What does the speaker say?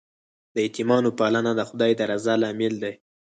د یتیمانو پالنه د خدای د رضا لامل دی.